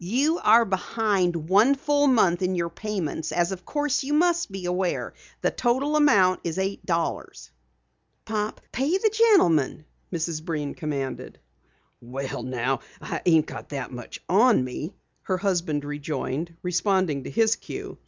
"You are behind one full month in your payments, as of course you must be aware. The amount totals eight dollars." "Pop, pay the gentleman," Mrs. Breen commanded. "Well, now, I ain't got that much on me," her husband rejoined, responding to his cue.